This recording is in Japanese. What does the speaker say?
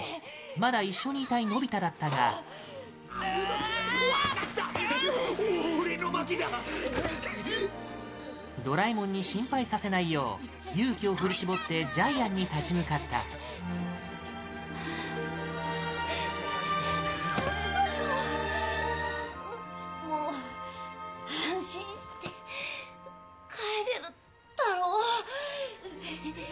まだ一緒にいたいのび太だったがドラえもんに心配させないよう勇気を振り絞ってジャイアンに立ち向かったのび太：もう安心して帰れるだろ？